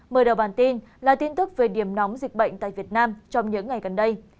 mở đầu bản tin là tin tức về điểm nóng dịch bệnh tại việt nam trong những ngày gần đây